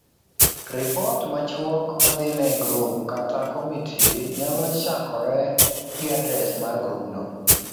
Ripot machuok madhine grup kata komiti nyalo chakore gi adres mar grubno.